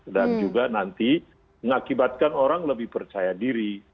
dan juga nanti mengakibatkan orang lebih percaya diri